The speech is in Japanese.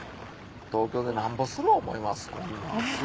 東京でなんぼする思います？